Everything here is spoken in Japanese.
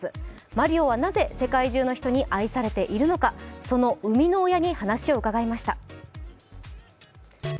マリオはなぜ世界中の人に愛されているのかその生みの親に話を伺いました。